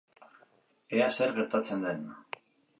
Ea zer gertatzen den.